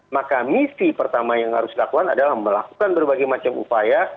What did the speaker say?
maka misi pertama yang harus dilakukan adalah melakukan berbagai macam upaya